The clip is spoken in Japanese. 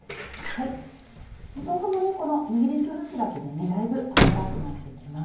豆腐も握りつぶすだけでだいぶ細かくなってきます。